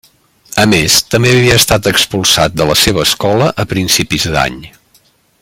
A més, també havia estat expulsat de la seva escola a principis d'any.